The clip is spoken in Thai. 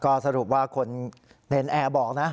ก็สรุปว่าคนเนรนแอร์บอกนะ